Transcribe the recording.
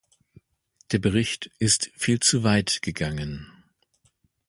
Der Bericht ist viel zu weit gegangen.